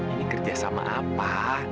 ini kerjasama apa